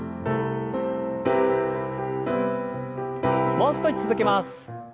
もう少し続けます。